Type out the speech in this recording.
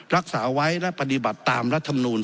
รักษาไว้และปฏิบัติตามรัฐมนูล